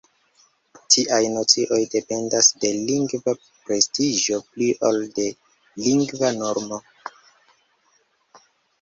Tiaj nocioj dependas de lingva prestiĝo pli ol de lingva normo.